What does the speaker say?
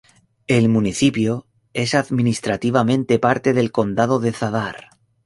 El municipio es administrativamente parte del Condado de Zadar.